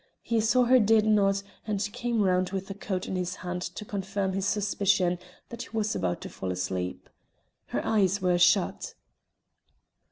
He saw her head nod, and came round with the coat in his hand to confirm his suspicion that she was about to fall asleep. Her eyes were shut.